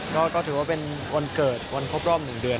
ก็ถือว่าเป็นวันเกิดวันครบรอบ๑เดือน